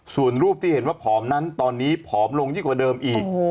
ส่วนรูปที่เห็นว่าผอมนั้นตอนนี้ผอมลงยิ่งกว่าเดิมอีก